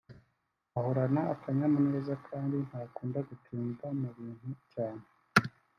ahorana akanyamuneza kandi ntakunda gutinda mu bintu cyane